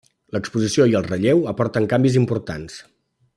L'exposició i el relleu aporten canvis importants.